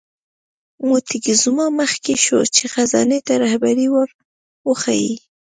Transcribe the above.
موکتیزوما مخکې شو چې خزانې ته رهبري ور وښیي.